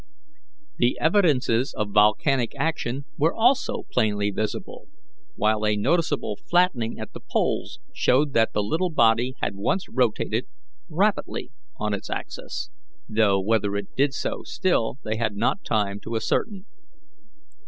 The evidences of volcanic action were also plainly visible, while a noticeable flattening at the poles showed that the little body had once rotated rapidly on its axis, though whether it did so still they had not time to ascertain.